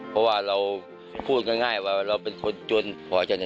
เพราะเราพูดง่ายว่าเราเป็นคนพนทรชน